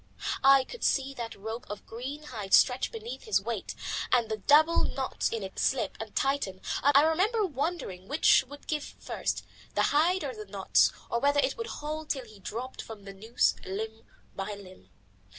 I could see that rope of green hide stretch beneath his weight and the double knots in it slip and tighten, and I remember wondering which would give first, the hide or the knots, or whether it would hold till he dropped from the noose limb by limb.